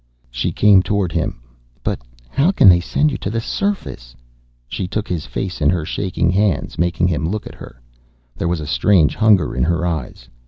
She came toward him. "But how can they send you to the surface?" She took his face in her shaking hands, making him look at her. There was a strange hunger in her eyes.